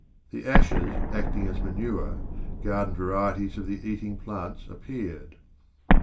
The ashes acting as manure, garden varieties of the eating plants appeared.